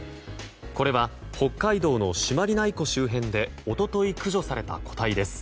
これは北海道の朱鞠内湖周辺で一昨日、駆除された個体です。